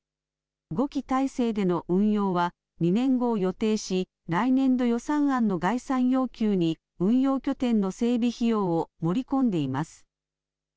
５機体制での運用は２年後を予定し、来年度予算案の概算要求に運用拠点の整備費用を盛り込んでいます。